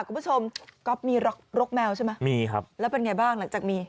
คุณผู้ชมก๊อฟมีรกแมวใช่ไหมมีครับแล้วเป็นไงบ้างหลังจากมี